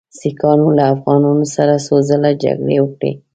سیکهانو له افغانانو سره څو ځله جګړې وکړې.